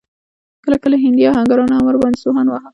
کله کله هندي اهنګرانو هم ور باندې سوهان واهه.